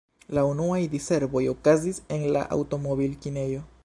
La unuaj diservoj okazis en la aŭtomobil-kinejo.